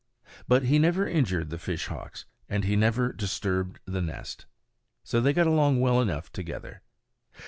But he never injured the fishhawks, and he never disturbed the nest. So they got along well enough together.